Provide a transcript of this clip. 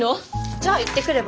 じゃあ行ってくれば？